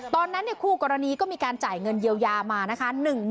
คู่กรณีก็มีการจ่ายเงินเยียวยามานะคะ